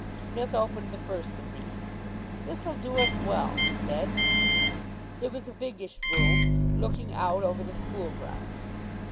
Psmith opened the first of these. "This'll do us well," he said. It was a biggish room, looking out over the school grounds.